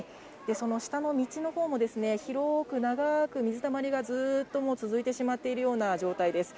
その下の道のほうも、広く長く、水たまりがずっともう続いてしまっているような状態です。